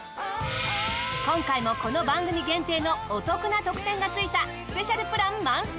今回もこの番組限定のお得な特典がついたスペシャルプラン満載！